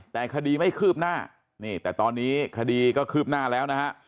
แต่คดีไม่คืบหน้านี่แต่ตอนนี้คดีก็คืบหน้าแล้วนะฮะ